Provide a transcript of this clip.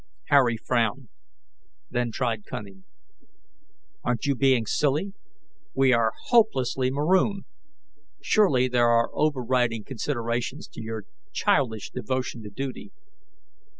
Harry frowned, then tried cunning. "Aren't you being silly? We are hopelessly marooned. Surely there are overriding considerations to your childish devotion to duty."